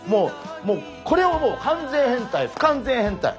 もうこれはもう完全変態不完全変態。